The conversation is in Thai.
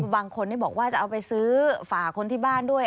บางคนบอกว่าจะเอาไปซื้อฝากคนที่บ้านด้วย